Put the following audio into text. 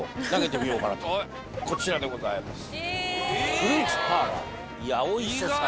こちらでございます。